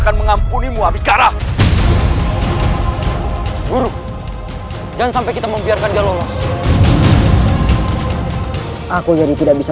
akan mengampuni karam buruk jangan sampai kita membiarkan dia lolos aku jadi tidak bisa